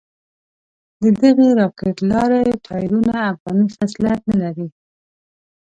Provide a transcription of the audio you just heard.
ددغې راکېټ لارۍ ټایرونه افغاني خصلت نه لري.